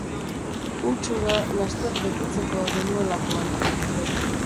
Huts hura laster betetzekoa genuelakoan